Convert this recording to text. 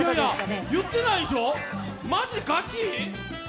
いやいや言ってないでしょ、マジガチ？